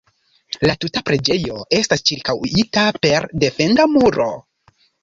La tuta preĝejo estas ĉirkaŭita per defenda muro.